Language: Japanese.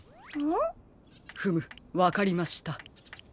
んっ？フムわかりました。